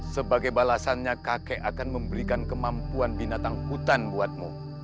sebagai balasannya kakek akan memberikan kemampuan binatang hutan buatmu